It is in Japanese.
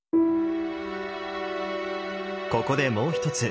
ここでもう一つ